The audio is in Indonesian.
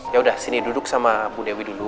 yaudah sini duduk sama bu dewi dulu